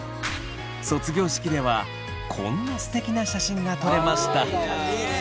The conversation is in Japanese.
卒業式ではこんなすてきな写真が撮れました。